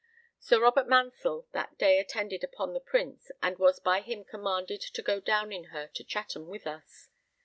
Sir Robert Mansell that day attended upon the Prince, and was by him commanded to go down in her to Chatham with us.